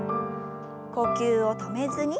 呼吸を止めずに。